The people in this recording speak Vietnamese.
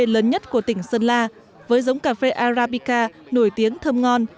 lớn nhất của tỉnh sơn la với giống cà phê arabica nổi tiếng thơm ngon